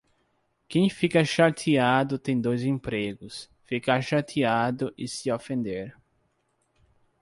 Quem fica chateado tem dois empregos: ficar chateado e se ofender.